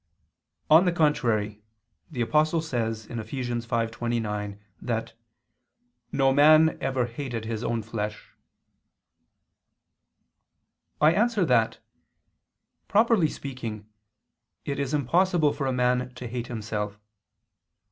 On the contrary, The Apostle says (Eph. 5:29) that "no man ever hated his own flesh." I answer that, Properly speaking, it is impossible for a man to hate himself.